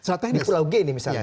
di pulau gini misalnya